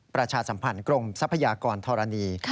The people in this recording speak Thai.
ประชาสัมพันธ์กรมทรัพยากรธรณี